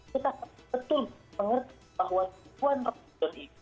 kita harus betul mengerti bahwa tujuan ramadan ini